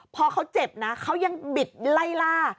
พอเขาเจ็บนะเขายังบิดไล่ล่า